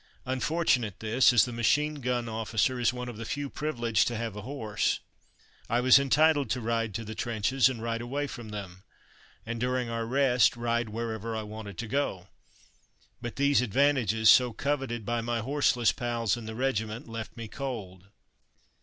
Unfortunate this, as the machine gun officer is one of the few privileged to have a horse. I was entitled to ride to the trenches, and ride away from them, and during our rest, ride wherever I wanted to go; but these advantages, so coveted by my horseless pals in the regiment, left me cold.